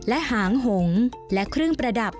และหางหงและเครื่องประดับ